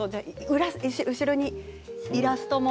後ろにイラストも。